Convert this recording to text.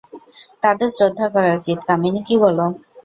তাদের শ্রদ্ধা করা উচিত, কামিনী কী বলো?